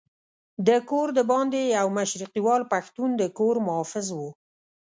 د کور دباندې یو مشرقیوال پښتون د کور محافظ وو.